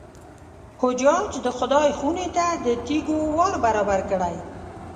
حجاج د خدای خونې ته د تېږو وار برابر کړی.